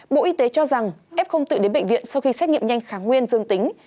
bộ y tế cho rằng f không tự đến bệnh viện sau khi xét nghiệm nhanh kháng nguyên dương tính